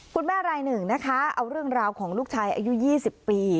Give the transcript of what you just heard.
รายหนึ่งนะคะเอาเรื่องราวของลูกชายอายุ๒๐ปี